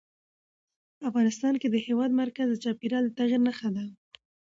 افغانستان کې د هېواد مرکز د چاپېریال د تغیر نښه ده.